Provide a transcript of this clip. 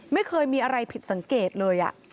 ไม่เคยมีอะไรผิดสังเกตเลย